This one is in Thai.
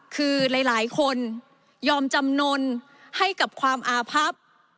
คือหลายคนยอมจำนวนให้กับความอาพับ